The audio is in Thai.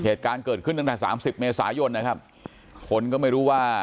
เหตุการณ์เกิดขึ้นตั้งแต่สามสิบเมษายนนะครับคนก็ไม่รู้ว่า